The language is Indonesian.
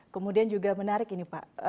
kemudian juga menarik ini pak